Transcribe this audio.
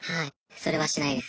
それはしないです。